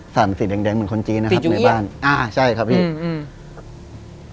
ศาลสีแดงเหมือนคนจีนนะครับสีจุเยี่ยมในบ้านอ่าใช่ครับพี่อืมอืม